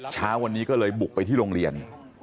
เช้าวันนี้ก็เลยบุกไปที่โรงเรียน